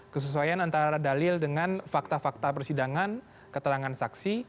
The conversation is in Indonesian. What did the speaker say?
kesesuaian antara dalil dengan fakta fakta persidangan keterangan saksi